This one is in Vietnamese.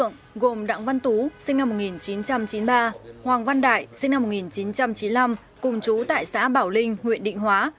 gồm đặng văn tú sinh năm một nghìn chín trăm chín mươi ba hoàng văn đại sinh năm một nghìn chín trăm chín mươi năm cùng chú tại xã bảo linh huyện định hóa